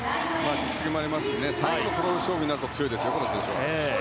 実績もありますし最後のところで勝負になると強いですよ、この選手は。